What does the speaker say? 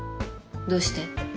どうして？